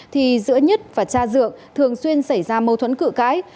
thì giữa nhất và cha dượng thường xuyên xảy ra mâu thuẫn cự cãi